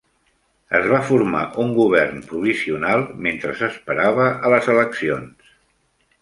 Es va formar un govern provisional mentre s'esperava a les eleccions.